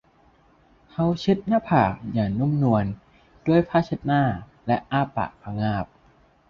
เขาเช็ดหน้าผากอย่างนุ่มนวลด้วยผ้าเช็ดหน้าและอ้าปากพะงาบ